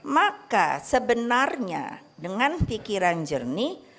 maka sebenarnya dengan pikiran jernih